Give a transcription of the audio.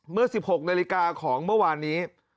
เมื่อ๑๖นาฬิกาของเมื่อวานนี้